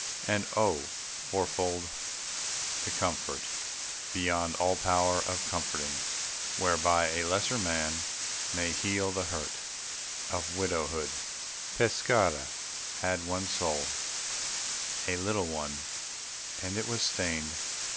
And oh, fourfold The comfort, beyond all power of comforting, Whereby a lesser man may heal the hurt Of widowhood! Pescara had one soul A little one; and it was stained.